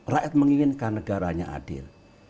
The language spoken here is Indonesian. rakyat menginginkan negaranya adil